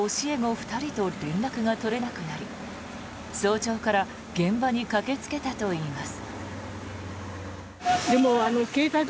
２人と連絡が取れなくなり早朝から現場に駆けつけたといいます。